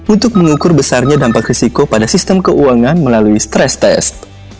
untuk mengukur besarnya dampak risiko pada sistem keuangan melalui stres test